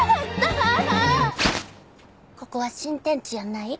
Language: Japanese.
ここは新天地やない。